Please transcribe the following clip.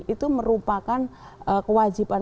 itu merupakan kewajiban